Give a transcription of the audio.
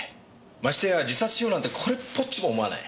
ましてや自殺しようなんてこれっぽっちも思わない。